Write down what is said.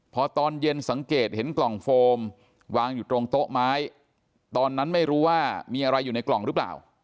พอตอนเย็นสังเกตเห็นกล่องโฟมวางอยู่ตรงโต๊ะไม้ตอนนั้นไม่รู้ว่ามีอะไรอยู่ในกล่องหรือเปล่า